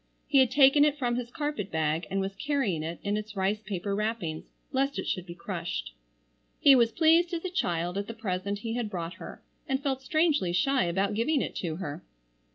He had taken it from his carpet bag and was carrying it in its rice paper wrappings lest it should be crushed. He was pleased as a child at the present he had brought her, and felt strangely shy about giving it to her.